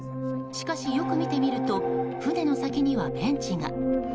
しかし、よく見てみると船の先にはベンチが。